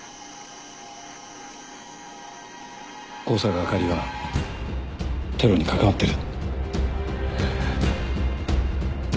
香坂朱里はテロに関わってる。